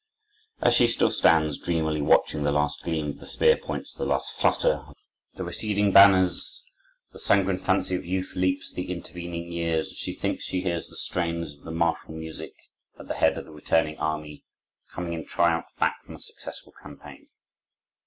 As she still stands dreamily watching the last gleam of the spear points, the last flutter of the receding banners, the sanguine fancy of youth leaps the intervening years, and she thinks she hears the strains of the martial music at the head of the returning army coming in triumph back from a successful campaign.